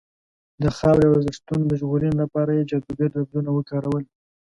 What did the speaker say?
د خاورې او ارزښتونو د ژغورنې لپاره یې جادوګر لفظونه وکارول.